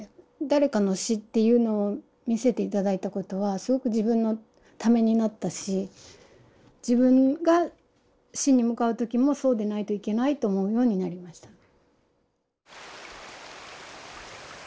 誰かの死っていうのを見せて頂いたことはすごく自分のためになったし自分が死に向かう時もそうでないといけないと思うようになりましたね。